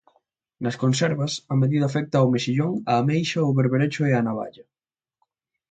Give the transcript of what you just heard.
Nas conservas a medida afecta ao mexillón, a ameixa, o berberecho e a navalla.